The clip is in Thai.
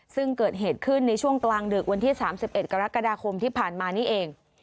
ซึ่งเกิดเหตุขึ้นในช่วงกลางดึกวันที่๓๑กรกฎาคมที่ผ่านมานี่เอง